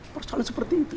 persoalan seperti itu